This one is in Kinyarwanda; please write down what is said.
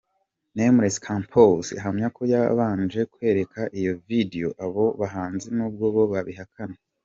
Nameless Campos ahamya ko yabanje kwereka iyo video abo bahanzi n’ubwo bo babihakana.